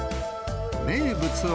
名物は。